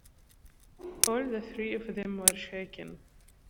All the three of them were shaken.